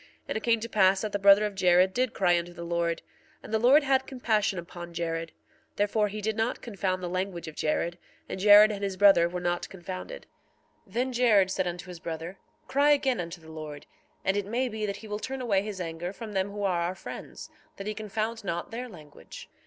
1:35 And it came to pass that the brother of Jared did cry unto the Lord, and the Lord had compassion upon Jared; therefore he did not confound the language of Jared; and Jared and his brother were not confounded. 1:36 Then Jared said unto his brother: Cry again unto the Lord, and it may be that he will turn away his anger from them who are our friends, that he confound not their language.